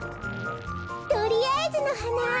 とりあえずのはな！